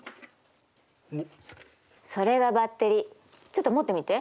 それがバッテリーちょっと持ってみて。